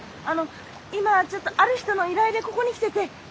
あの今ちょっとある人の依頼でここに来てて。